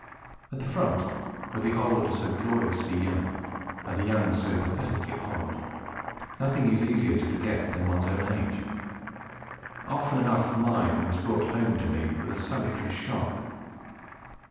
And at the front, where the old are so gloriously young, and the young so pathetically old, nothing is easier than to forget one's own age: often enough mine was brought home to me with a salutary shock.